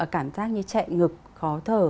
cảm giác như chẹn ngực khó thở